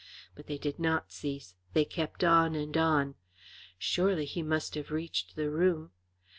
But they did not cease; they kept on and on. Surely he must have reached the room.